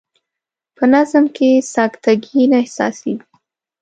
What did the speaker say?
په نظم کې سکته ګي نه احساسیږي.